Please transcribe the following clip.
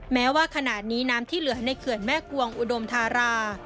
แม้ว่าขณะนี้น้ำที่เหลือในเขื่อนแม่กวงอุดมธารา